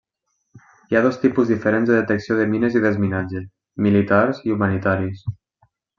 Hi ha dos tipus diferents de detecció de mines i desminatge: militars i humanitaris.